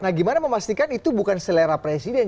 nah gimana memastikan itu bukan selera presiden